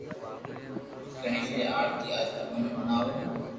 گڻآݾ ري آرتي آج تموني ھڻاو